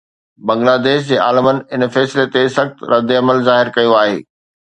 بنگلاديش جي عالمن ان فيصلي تي سخت رد عمل ظاهر ڪيو آهي